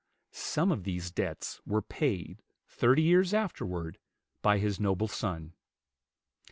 Some of these debts were paid, thirty years afterward, by his noble son.